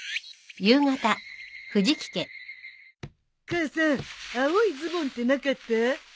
母さん青いズボンってなかった？